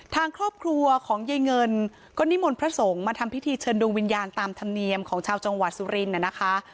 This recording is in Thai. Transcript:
ทางครอบครัวของยายเงินก็นิมนต์พระสงฆ์มาทำพิธีเชิญดวงวิญญาณตามธรรมเนียมของชาวจังหวัดสุรินทร์นะคะ